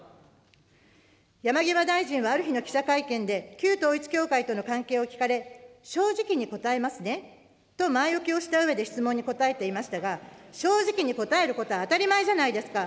山際大臣はある日の記者会見で、旧統一教会との関係を聞かれ、正直に答えますねと、前置きをしたうえで、質問に答えていましたが、正直に答えることは当たり前じゃないですか。